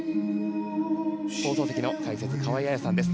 放送席の解説は河合彩さんです。